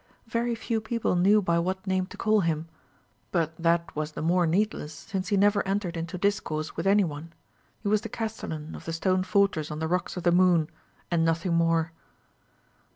Very few people knew by what name to call him; but that was the more needless, since he never entered into discourse with any one. He was the castellan of the stone fortress on the Rocks of the Moon, and nothing more.